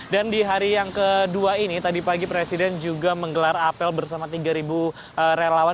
dan di hari yang kedua ini tadi pagi presiden juga menggelar apel bersama tiga relawan